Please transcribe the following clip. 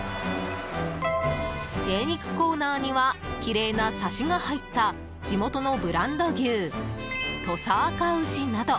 精肉コーナーにはきれいなサシが入った地元のブランド牛土佐あかうしなど